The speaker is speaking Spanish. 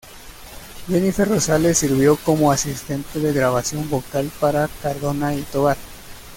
Jennifer Rosales sirvió como asistente de grabación vocal para Cardona y Tovar.